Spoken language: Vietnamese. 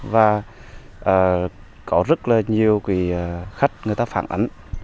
và có rất là nhiều khách người ta phản ảnh